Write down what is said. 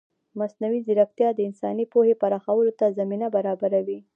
مصنوعي ځیرکتیا د انساني پوهې پراخولو ته زمینه برابروي.